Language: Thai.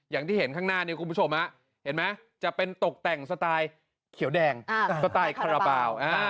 อย่างที่เห็นข้างหน้านี้คุณผู้ชมเห็นไหมจะเป็นตกแต่งสไตล์เขียวแดงสไตล์คาราบาล